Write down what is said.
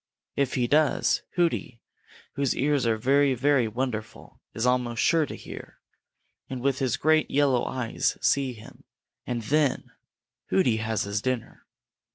If he does, Hooty, whose ears are very, very wonderful, is almost sure to hear, and with his great yellow eyes see him, and then Hooty has his dinner.